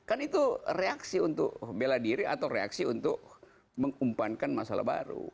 kan itu reaksi untuk bela diri atau reaksi untuk mengumpankan masalah baru